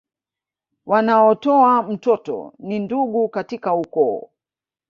Wanaotoa mtoto ni ndugu katika ukoo